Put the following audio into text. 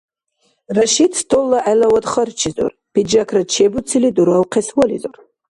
Рашид столла гӀелавад харчизур, пиджакра чебуцили, дуравхъес вализур.